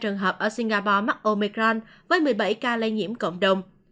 năm mươi ba trường hợp ở singapore mắc omicron với một mươi bảy ca lây nhiễm cộng đồng